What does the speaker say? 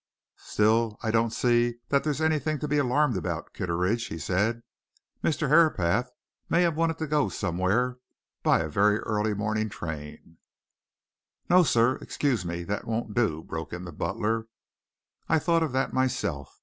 "Still, I don't see that there's anything to be alarmed about, Kitteridge," he said. "Mr. Herapath may have wanted to go somewhere by a very early morning train " "No, sir, excuse me, that won't do," broke in the butler. "I thought of that myself.